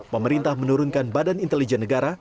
pemerintah menurunkan badan intelijen negara